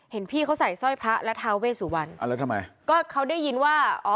เห็นพี่เขาใส่สร้อยพระและท้าเวสุวรรณอ่าแล้วทำไมก็เขาได้ยินว่าอ๋อ